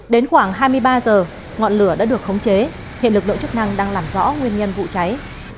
đến khoảng hai mươi ba h ngọn lửa đã được khống chế hiện lực lượng chức năng đang làm rõ nguyên nhân vụ cháy